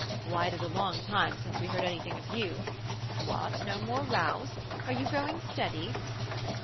Why, it is a long time since we heard anything of you. What, no more rows? Are you growing steady?"